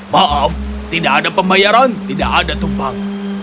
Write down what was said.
maaf tidak ada pembayaran tidak ada tumpang